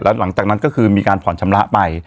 หลังจากนั้นก็คือมีการผ่อนชำระไป